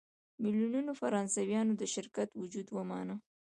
میلیونونو فرانسویانو د شرکت وجود ومانه.